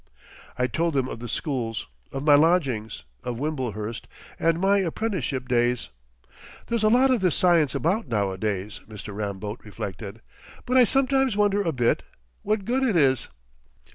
I told them of the schools, of my lodgings, of Wimblehurst and my apprenticeship days. "There's a lot of this Science about nowadays," Mr. Ramboat reflected; "but I sometimes wonder a bit what good it is?"